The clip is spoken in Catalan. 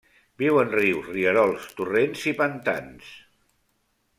Viu en rius, rierols, torrents i pantans.